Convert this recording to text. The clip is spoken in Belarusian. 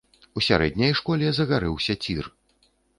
У сярэдняй школе загарэўся цір.